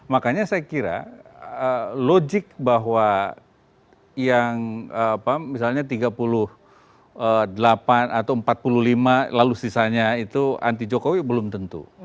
makanya saya kira logik bahwa yang misalnya tiga puluh delapan atau empat puluh lima lalu sisanya itu anti jokowi belum tentu